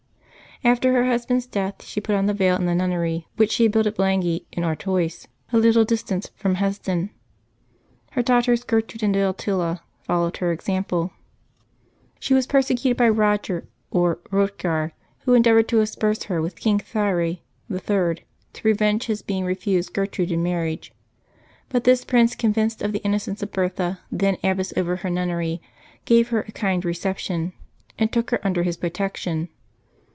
After her husband's death she put on the veil in the nunnery which she had built at Blangy in Artois, a little distance from Hesdin. Her daughters Gertrude and Deotila followed her example. She 238 LIVES OF THE SAINTS [July 5 was persecuted by Eoger, or Eotgar, wlio endeavored to as perse her with King Thierri III., to revenge his being re fused Gertrude in marriage. But this prince, convinced of the innocence of Bertha, then abbess over her nunnery, gave her a kind reception and took her under his protection.